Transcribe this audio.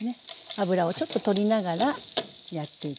脂をちょっと取りながらやっていきます。